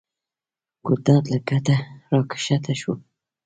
ګلداد له کټه راکښته شو.